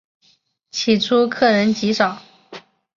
起初客人极少。